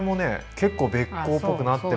結構べっ甲っぽくなってますね。